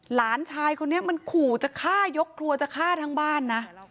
หลานชายคนนี้มันขู่จะฆ่ายกครัวจะฆ่าทั้งบ้านนะ